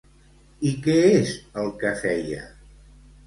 I què és el que feia?